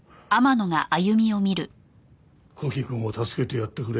九鬼くんを助けてやってくれ。